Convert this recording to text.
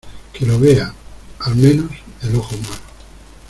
que lo vea, al menos , el ojo humano.